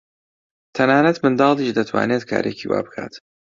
تەنانەت منداڵیش دەتوانێت کارێکی وا بکات.